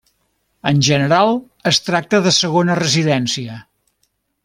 En general es tracta de segona residència.